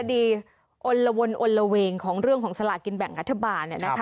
ดีอลละวนอนละเวงของเรื่องของสลากินแบ่งรัฐบาล